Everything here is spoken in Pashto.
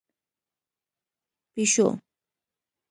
🐈 پېشو